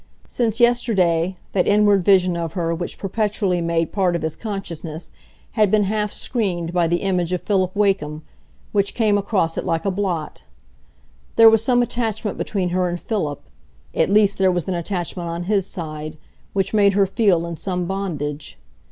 Since yesterday, that inward vision of her which perpetually made part of his consciousness, had been half screened by the image of Philip Wakem, which came across it like a blot; there was some attachment between her and Philip; at least there was an attachment on his side, which made her feel in some bondage.